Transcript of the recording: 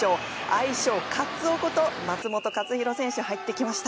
愛称カツオこと松元克央選手が入ってきました。